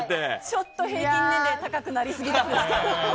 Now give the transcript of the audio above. ちょっと平均年齢が高くなりすぎなんですけど。